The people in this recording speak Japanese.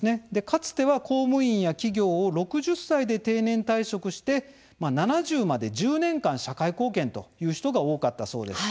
かつては公務員や企業を６０歳で定年退職して７０まで１０年間、社会貢献という人が多かったそうです。